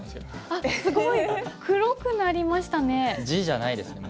あっすごい黒くなりましたね。